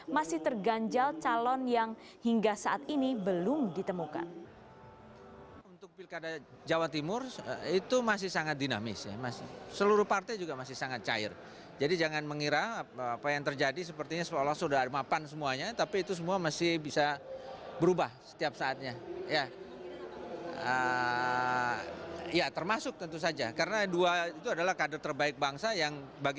masih terganjal calon yang hingga saat ini belum ditemukan